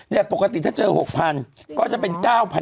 เนี่ยปกติถ้าเจอ๖๐๐๐ก็จะเป็น๙๙๐๐